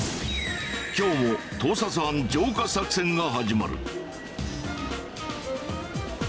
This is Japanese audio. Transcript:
今日も盗撮犯浄化作戦が始まる。